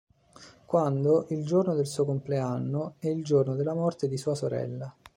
Quando il giorno del suo compleanno è il giorno della morte di sua sorella.